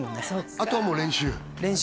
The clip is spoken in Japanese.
あとはもう練習？